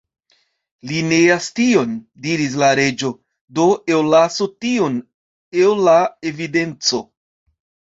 "Li neas 'tion'" diris la Reĝo, "do ellasu 'tion' el la evidenco."